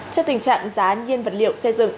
trên tình trạng giá nhiên vật liệu xây dựng